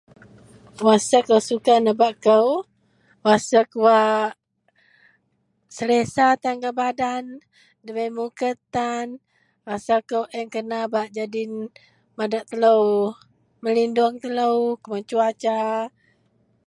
Wasiek wak suka nebak kou wasiek wak selesa tan gak badan debei muket tan rasa kou kena bak jadin madak telo, meliduong telo kuman suasa